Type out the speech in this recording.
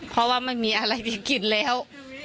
เพราะว่าไม่มีอะไรไปกินแล้ว